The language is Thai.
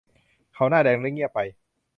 เขาหน้าแดงและเงียบไป